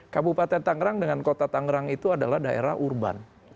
kabupaten tangerang dengan kota tangerang itu adalah daerah urban